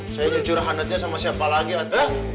saya jujur hanetnya sama siapa lagi atu